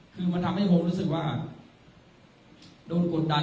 คือมันทำให้ผมรู้สึกว่าโดนกดดัน